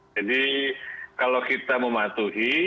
jadi kalau kita mematuhi